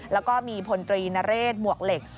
แล้วก็มีพลตรีนเรศหมวกเหล็ก